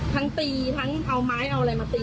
ทั้งตีทั้งเอาไม้เอาอะไรมาตี